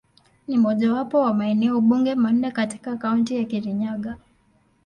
Ni mojawapo wa maeneo bunge manne katika Kaunti ya Kirinyaga.